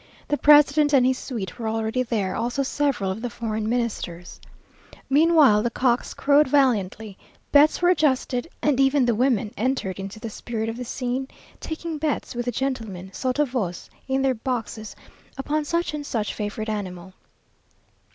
The president and his suite were already there, also several of the foreign Ministers. Meanwhile, the cocks crowed valiantly, bets were adjusted, and even the women entered into the spirit of the scene, taking bets with the gentlemen sotto voce in their boxes, upon such and such favourite animal.